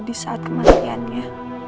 di saat kematiannya